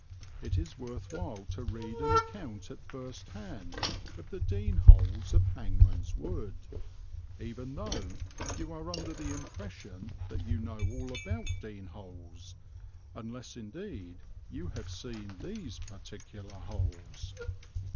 It is worth while to read an account at first hand of the dene holes of Hangman's Wood, even though you are under the impression that you know all about dene holes, unless indeed you have seen these particular holes.